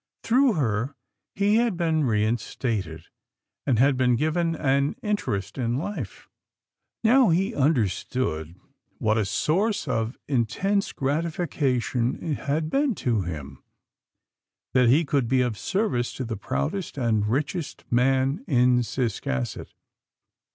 Through her, he had been reinstated, and had been given an in terest in life. Now he understood what a source of intense gratification it had been to him, that he could be of service to the proudest and richest man in Ciscasset.